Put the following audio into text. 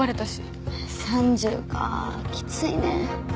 ３０かきついね。